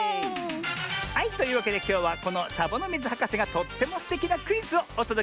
はいというわけできょうはこのサボノミズはかせがとってもすてきなクイズをおとどけするのミズよ。